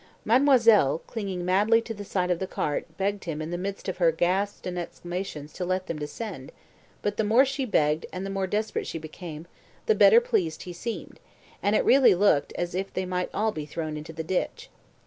Mademoiselle, clinging madly to the side of the cart, begged him in the midst of her gasps and exclamations to let them descend; but the more she begged and the more desperate she became, the better pleased he seemed, and it really looked as if they might all be thrown into the ditch.